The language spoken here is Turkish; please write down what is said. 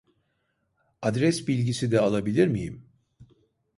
Adres bilgisi de alabilir miyim ?